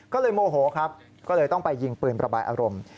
ก็เลยโมโหครับก็เลยต้องไปยิงปืนประบายอารมณ์